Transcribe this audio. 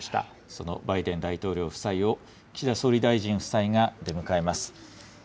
そのバイデン大統領夫妻を岸田総理大臣夫妻が出迎えます。